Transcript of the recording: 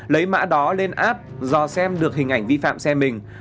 lấy mã đó lên app do xem được hình ảnh vi phạm xe mình